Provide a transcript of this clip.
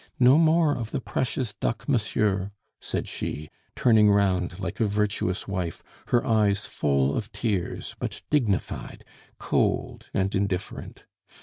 "No more of the 'precious duck,' monsieur!" said she, turning round like a virtuous wife, her eyes full of tears, but dignified, cold, and indifferent.